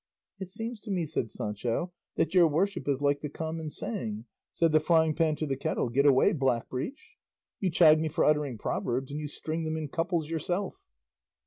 "It seems to me," said Sancho, "that your worship is like the common saying, 'Said the frying pan to the kettle, Get away, blackbreech.' You chide me for uttering proverbs, and you string them in couples yourself."